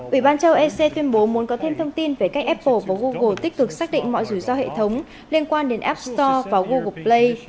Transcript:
ủy ban châu ec tuyên bố muốn có thêm thông tin về cách apple và google tích cực xác định mọi rủi ro hệ thống liên quan đến app store và google play